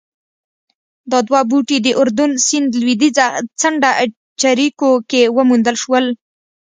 دا دوه بوټي د اردن سیند لوېدیځه څنډه جریکو کې وموندل شول